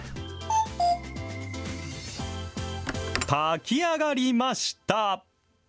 炊きあがりました。